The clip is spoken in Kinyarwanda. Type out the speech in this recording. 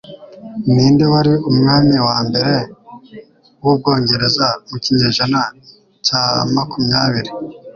Ninde Wari Umwami wambere wu Bwongereza mu kinyejana cya makumyabiri